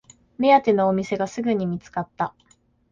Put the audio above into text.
目当てのお店がすぐに見つかった